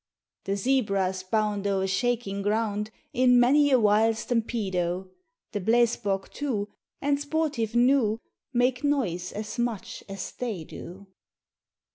The zebras bound o'er shaking ground In many a wild stampedo; The blesbok, too, and sportive gnu, Make noise as much as they do.